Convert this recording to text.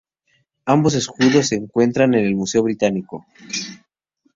Ambos escudos se encuentran en el Museo Británico.